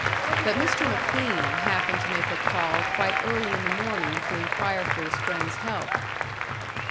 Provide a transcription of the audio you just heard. But Mr. McLean happened to make a call quite early in the morning to inquire for his friend's health.